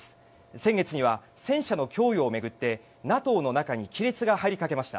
先月には戦車の供与を巡ってＮＡＴＯの中に亀裂が入りかけました。